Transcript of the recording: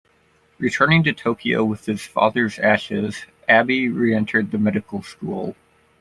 Returning to Tokyo with his father's ashes, Abe reentered the medical school.